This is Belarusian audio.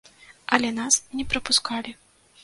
Але нас не прапускалі.